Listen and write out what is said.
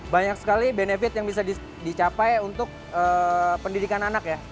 banyak sekali benefit yang bisa dicapai untuk pendidikan anak ya